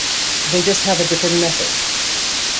They just have a different method.